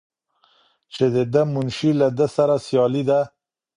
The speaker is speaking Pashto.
چې د ده منشي له ده سره سیاله ده.